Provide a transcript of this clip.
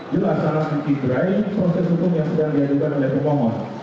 jelas sangat dicederai proses hukum yang sedang diadukan oleh pemohon